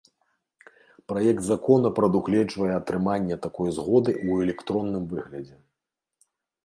Праект закона прадугледжвае атрыманне такой згоды ў электронным выглядзе.